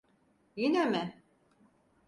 Yine mi?